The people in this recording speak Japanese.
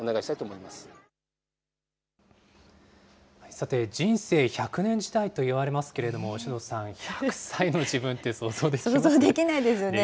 さて、人生１００年時代といわれますけど、首藤さん、１００歳の自分っ想像できないですね。